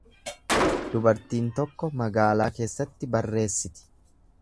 Dubartiin tokko magaalaa keessatti barreessiti.